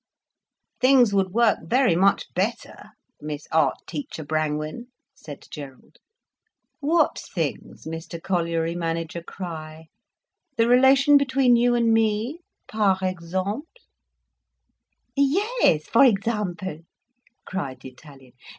"Things would work very much better, Miss Art Teacher Brangwen," said Gerald. "What things, Mr Colliery Manager Crich? The relation between you and me, par exemple?" "Yes, for example," cried the Italian.